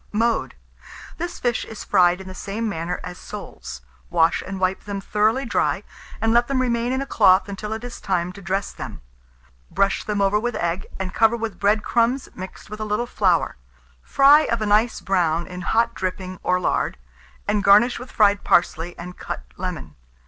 Mode. This fish is fried in the same manner as soles. Wash and wipe them thoroughly dry, and let them remain in a cloth until it is time to dress them. Brush them over with egg, and cover with bread crumbs mixed with a little flour. Fry of a nice brown in hot dripping or lard, and garnish with fried parsley and cut lemon.